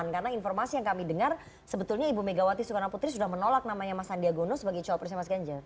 karena informasi yang kami dengar sebetulnya ibu megawati sukarno putri sudah menolak namanya mas sandiaga uno sebagai cowok presiden mas ganjar